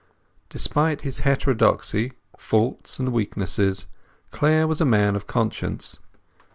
Despite his heterodoxy, faults, and weaknesses, Clare was a man with a conscience.